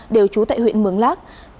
đều chú tại huyện mướng lác